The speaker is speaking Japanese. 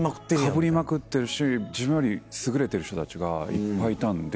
かぶりまくってるし自分より優れてる人たちがいっぱいいたんで。